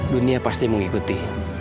dunia pasti mengikuti